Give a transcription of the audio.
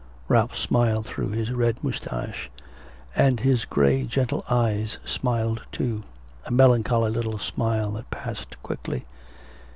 Ralph smiled through his red moustache, and his grey gentle eyes smiled too, a melancholy little smile that passed quickly.